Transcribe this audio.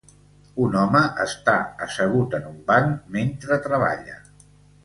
Un home està assegut en un banc mentre treballa.